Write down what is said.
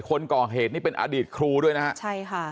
คนก่อเหตุนี่เป็นอดีตครูด้วยนะฮะใช่ค่ะ